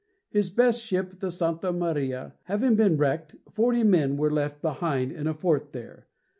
His best ship, the Santa Maria, having been wrecked, forty men were left behind in a fort there.